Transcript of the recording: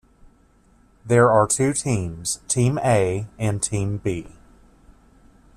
There are two teams - Team A and Team B.